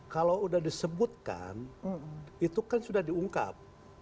kalau sudah disebutkan itu kan sudah diungkap